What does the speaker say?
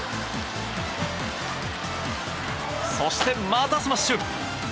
そして、またスマッシュ。